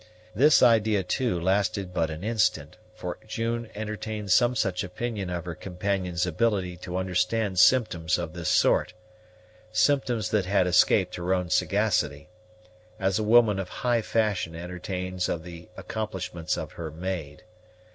This idea, too, lasted but an instant; for June entertained some such opinion of her companion's ability to understand symptoms of this sort symptoms that had escaped her own sagacity as a woman of high fashion entertains of the accomplishments of her maid.